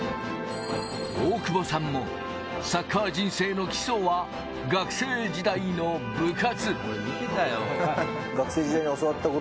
大久保さんもサッカー人生の基礎は学生時代の部活。